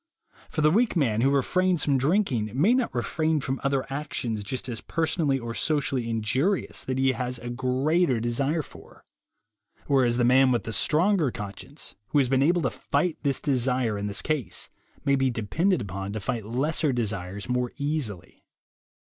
For the weak man who refrains from drinking may not refrain from other actions just as personally or socially injurious that he has a greater desire for; whereas the man with the stronger conscience, who has been able to fight this desire in this case, may be depended upon to fight lesser desires more easily.